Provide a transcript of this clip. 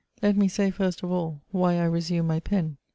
Let me say, first of all, why I resume my pen.